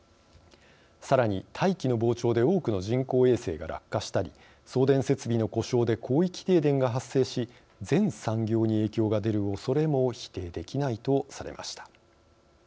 さらに大気の膨張で多くの人工衛星が落下したり送電設備の故障で広域停電が発生し全産業に影響が出るおそれも否定できないとされました。